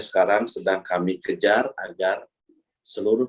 sekarang sedang kami kejar agar seluruh